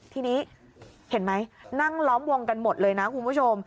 ทีนี้เห็นไหมนั่งล้อมวงกันหมดเลยนะคุณผู้ชม